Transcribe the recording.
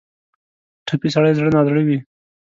ټپي سړی زړه نا زړه وي.